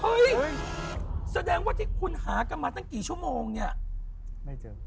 เห้ยแสดงว่าที่คุณหากลับมาตั้งกี่ชั่วโมงเนี่ย